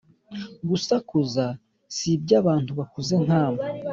Gusakuza si iby’abantu bakuze nkamwe